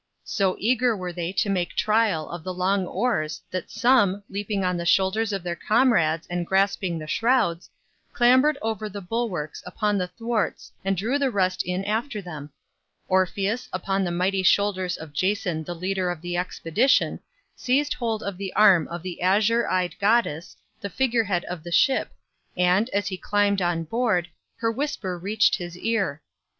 So eager were they to make trial of the long oars that some, leaping on the shoulders of their comrades and grasping the shrouds, clambered over the bulwarks upon the thwarts and drew the rest in after them. Orpheus, upon the mighty shoulders of Jason the leader of the expedition, seized hold of the arm of the azure eyed goddess, the figure head of the ship, and, as he climbed on board, her whisper reached his ear.